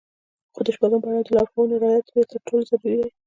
خو د شپږم پړاو د لارښوونو رعايت بيا تر ټولو ضروري دی.